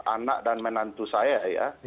anak dan menantu saya ya